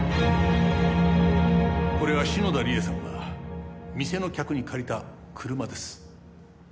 これは篠田理恵さんが店の客に借りた車です。